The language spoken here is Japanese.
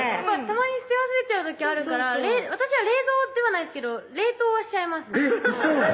たまに捨て忘れちゃう時あるから私は冷蔵ではないんですけど冷凍はしちゃいますねえっウソ！